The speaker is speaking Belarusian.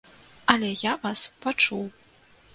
Але я вас пачуў.